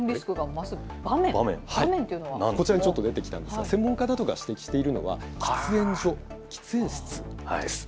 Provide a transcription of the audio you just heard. こちらにちょっと出てきたんですが、専門家などが指摘しているのは喫煙所、喫煙室です。